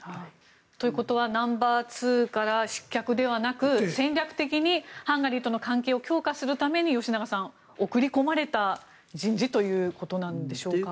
ということはナンバーツーから失脚ではなく戦略的にハンガリーとの関係を強化するために吉永さん、送り込まれた人事ということなんでしょうか。